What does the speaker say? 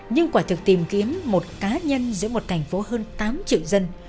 nhưng quả thực tìm kiếm một cá nhân giữa một thành phố hơn tám triệu dân